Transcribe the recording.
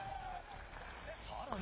さらに。